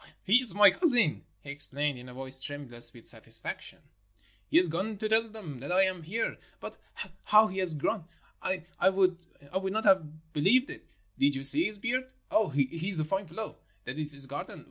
"He is my cousin," he explained in a voice tremulous with satisfaction. "He has gone to tell them that I am here. But how he has grown! I would not have be lieved it. Did you see his beard? Ah, he is a fine fellow. That is his garden